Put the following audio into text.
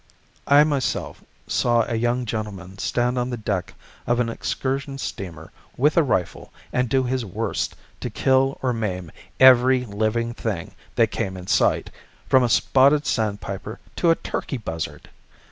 I myself saw a young gentleman stand on the deck of an excursion steamer, with a rifle, and do his worst to kill or maim every living thing that came in sight, from a spotted sandpiper to a turkey buzzard!